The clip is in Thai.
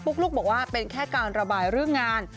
ลูกบอกว่าเป็นแค่การระบายเรื่องงาน